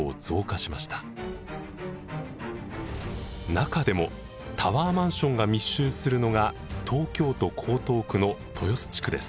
中でもタワーマンションが密集するのが東京都江東区の豊洲地区です。